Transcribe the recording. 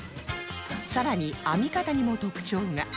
更に編み方にも特徴が